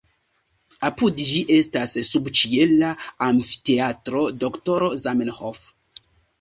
Apud ĝi estas subĉiela amfiteatro Doktoro Zamenhof.